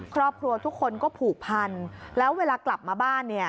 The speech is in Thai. ครอบครัวทุกคนก็ผูกพันแล้วเวลากลับมาบ้านเนี่ย